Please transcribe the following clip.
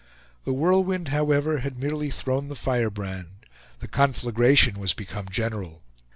The Whirlwind, however, had merely thrown the firebrand; the conflagration was become general.